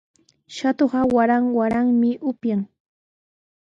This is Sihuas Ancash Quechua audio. Shatuqa waran waranmi upyan.